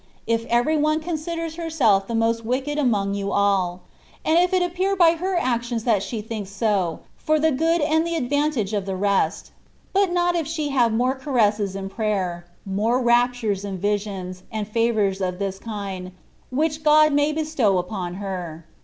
— ^if every one considers herself the most wicked among you all ; and if it appear by her actions that she thinks so, for the good and advantage of the rest ; but not if she have more caresses in prayer — more raptures and visions, and favours of this kind, which God may bestow upon her.